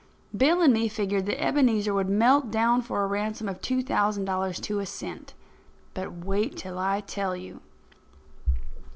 Bill and me figured that Ebenezer would melt down for a ransom of two thousand dollars to a cent. But wait till I tell you.